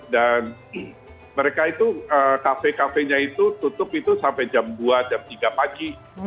dan mereka itu kafe kafe nya itu tutup itu sampai jam dua jam tiga pagi